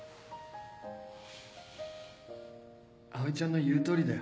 ・葵ちゃんの言う通りだよ・